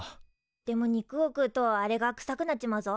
でも肉を食うとあれがくさくなっちまうぞ。